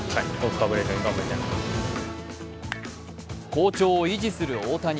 好調を維持する大谷。